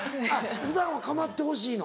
普段は構ってほしいの？